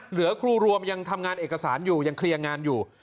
เหลือครูรวมยังทำงานเอกสารอยู่ยังเคลียร์งานอยู่